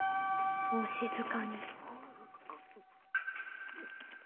お静かに。